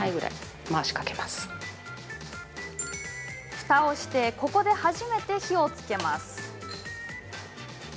ふたをしてここで初めて火をつけます。